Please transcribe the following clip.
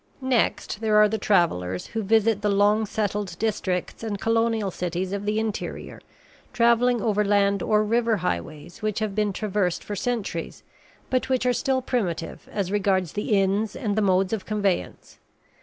Next there are the travellers who visit the long settled districts and colonial cities of the interior, travelling over land or river highways which have been traversed for centuries but which are still primitive as regards the inns and the modes of conveyance.